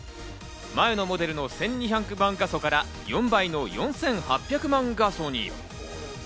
前のモデルの１２００万画素から、４倍の４８００万画素に。